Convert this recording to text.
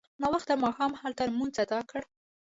ناوخته ماښام هلته لمونځ اداء کړ.